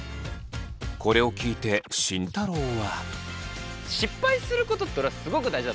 これを聞いて慎太郎は。